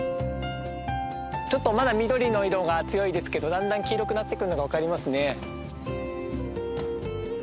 ちょっとまだ緑の色が強いですけどだんだん黄色くなってくるのが分かりますね。